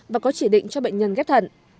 và có chỉ định cho bệnh nhân ghép thận